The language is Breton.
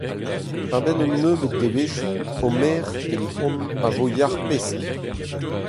A-benn un nebeut devezhioù, ho merc'h, itron, a vo yac'h-pesk.